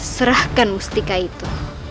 serahkan mustika itu